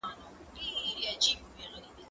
زه کولای سم پوښتنه وکړم؟